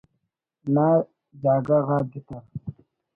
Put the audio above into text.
نا جاگہ غا دتر